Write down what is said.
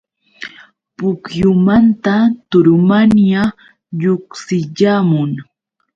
Pukyumanta turumanya lluqsiyaamun.